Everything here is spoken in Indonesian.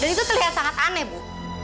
dan itu terlihat sangat aneh bu